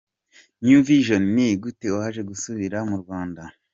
New Vision: Ni gute waje gusubira mu Rwanda?